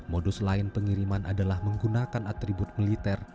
modus lain pengiriman adalah menggunakan atribut militer